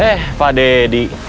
eh pak deddy